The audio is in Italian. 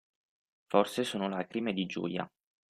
Forse sono lacrime di gioia.